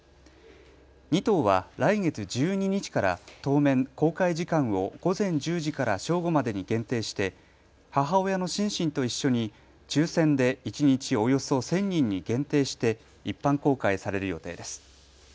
２頭は来月１２日から当面、公開時間を午前１０時から正午までに限定して母親のシンシンと一緒に抽せんで一日およそ１０００人に限定して一般公開される予定です。